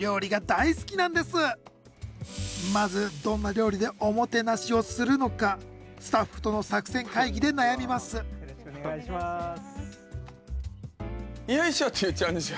まずどんな料理でおもてなしをするのかスタッフとの作戦会議で悩みますよいしょ！